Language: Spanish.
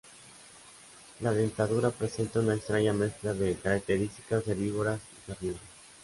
La dentadura presenta una extraña mezcla de características herbívoras y carnívoras.